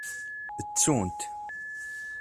Ttunt.